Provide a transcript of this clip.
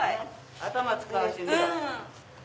頭使うし。